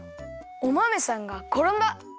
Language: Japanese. おまめさんがころんだ。